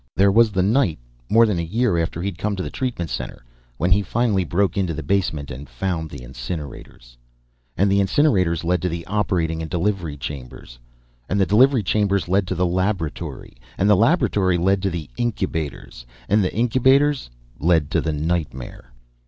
There was the night, more than a year after he'd come to the treatment center, when he finally broke into the basement and found the incinerators. And the incinerators led to the operating and delivery chambers, and the delivery chambers led to the laboratory and the laboratory led to the incubators and the incubators led to the nightmare.